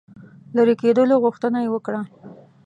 لیري کېدلو غوښتنه یې وکړه.